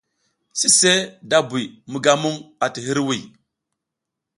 Sise da buy mi ga muƞ ati hiriwiy.